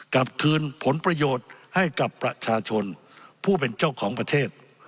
กลับคืนผลประโยชน์ให้กับประชาชนผู้เป็นเจ้าของประเทศ